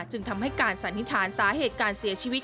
จึงทำให้การสันนิษฐานสาเหตุการเสียชีวิต